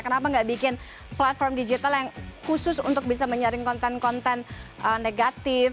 kenapa nggak bikin platform digital yang khusus untuk bisa menyaring konten konten negatif